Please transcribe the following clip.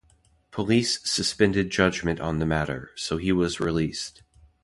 Police suspended judgment on the matter, so he was released.